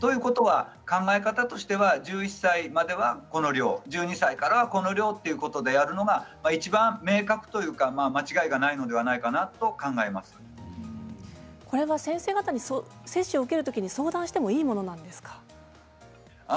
考え方としては１１歳まではこの量１２歳からはこの量でやるのがいちばん明確というか間違いがないのではないかと接種を受けるときに先生方に相談してもいいものですか。